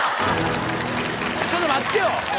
ちょっと待ってよ